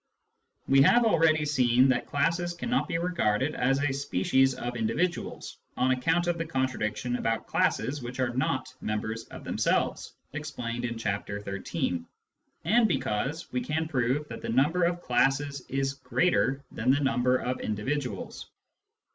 We have already seen that classes cannot be regarded as a species of individuals, on account of the contradiction about classes which are not members of themselves (explained in Chapter XIII.), and because we can prove that the number of classes is greater than the number of individuals.